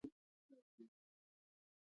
د افغانستان په منظره کې دځنګل حاصلات ښکاره ده.